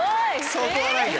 そこはないんだ！